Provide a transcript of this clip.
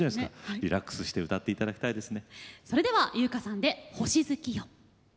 リラックスして歌っていただきましょう。